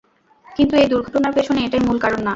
কিন্তু এই দুর্ঘটনার পেছনে এটাই মূল কারণ না।